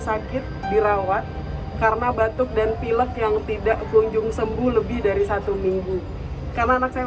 sakit dirawat karena batuk dan pilek yang tidak kunjung sembuh lebih dari satu minggu karena anak saya